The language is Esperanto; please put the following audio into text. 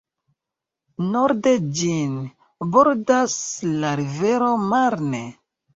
Norde ĝin bordas la rivero Marne.